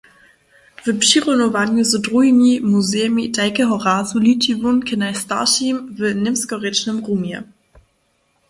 W přirunowanju z druhimi muzejemi tajkeho razu liči wón k najstaršim w němskorěčnym rumje.